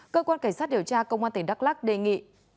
cơ quan cảnh sát điều tra công an tỉnh đắk lắc đề nghị